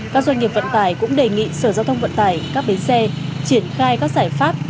các doanh nghiệp vận tải cũng đề nghị sở giao thông vận tải các bến xe triển khai các giải pháp